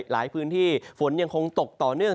หลายพื้นที่ฝนยังคงตกต่อเนื่อง